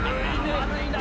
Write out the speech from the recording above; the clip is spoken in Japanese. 悪いな。